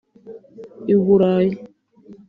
U Burayi